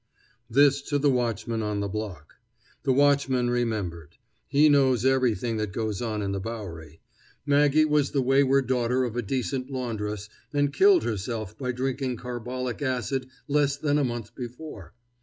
This to the watchman on the block. The watchman remembered. He knows everything that goes on in the Bowery. Maggie was the wayward daughter of a decent laundress, and killed herself by drinking carbolic acid less than a month before.